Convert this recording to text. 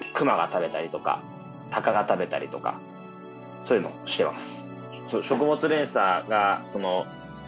そういうのをしてます。